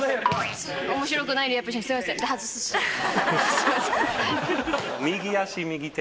すいません。